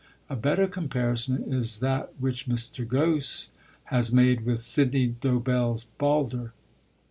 A better comparison is that which Mr. Gosse has made with Sidney Dobell's Balder.